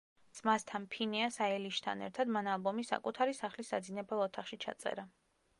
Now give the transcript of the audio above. ძმასთან, ფინეას აილიშთან ერთად, მან ალბომი საკუთარი სახლის საძინებელ ოთახში ჩაწერა.